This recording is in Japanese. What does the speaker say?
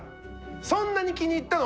「そんなに気に入ったの？